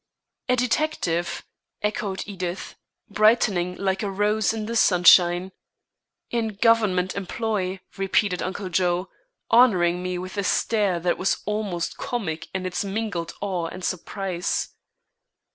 "A detective!" echoed Edith, brightening like a rose in the sunshine. "In government employ!" repeated Uncle Joe, honoring me with a stare that was almost comic in its mingled awe and surprise.